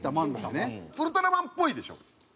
ウルトラマンっぽいでしょ？